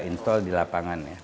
install di lapangannya